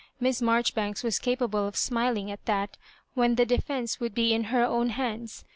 Miss Marjoribanks was capable of smiling at that when the defence would be in her own hands.